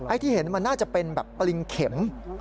ที่เห็นมันน่าจะเป็นแบบปริงเข็ม